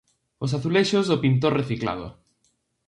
Os azulexos do pintor reciclado.